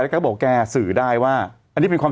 เลข๑เลข๒เลข๓เลข๔ว่าใครไปเลขไหน